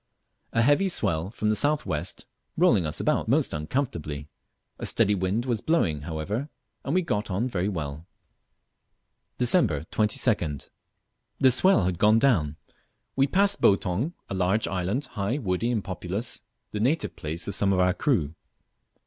A heavy swell from the south west rolling us about most uncomfortably. A steady wind was blowing however, and we got on very well. Dec. 22d. The swell had gone down. We passed Boutong, a large island, high, woody, and populous, the native place of some of our crew.